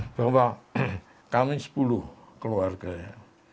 bahwa kami sepuluh keluarga ya